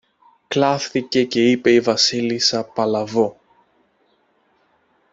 κλαύθηκε και είπε η Βασίλισσα Παλάβω.